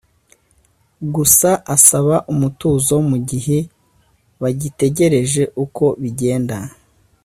gusa asaba umutuzo mu gihe bagitegereje uko bigenda